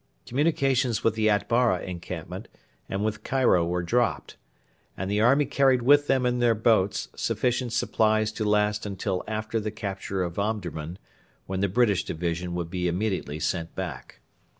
Communications with the Atbara encampment and with Cairo were dropped, and the army carried with them in their boats sufficient supplies to last until after the capture of Omdurman, when the British division would be immediately sent back.